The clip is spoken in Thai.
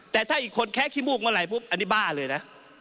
แต่ถ้าอีกคนแคะขี้มูกเมื่อไหร่ปุ๊บอันนี้บ้าเลยนะ